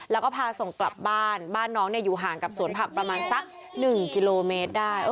แล้วก็พาส่งกลับบ้านบ้านน้องอยู่ห่างกับสวนผักประมาณสัก๑กิโลเมตรได้